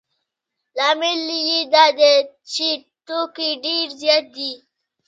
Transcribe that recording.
لامل یې دا دی چې توکي ډېر زیات دي